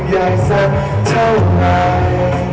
ที่ทำให้ฉันได้